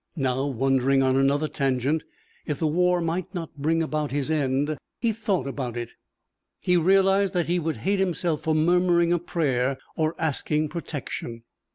Now, wondering on another tangent if the war might not bring about his end, he thought about it. He realized that he would hate himself for murmuring a prayer or asking protection.